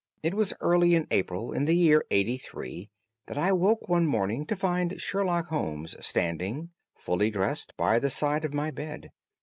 It was early in April in the year '83 that I woke one morning to find Sherlock Holmes standing, fully dressed, by the side of my bed.